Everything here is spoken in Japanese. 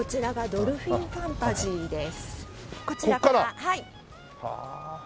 ドルフィンファンタジーです。